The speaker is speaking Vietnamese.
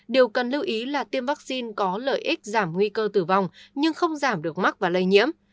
điều cần lưu ý là tiêm vaccine có lợi ích giảm nguy cơ tử vong nhưng không giảm được mắc và lây nhiễm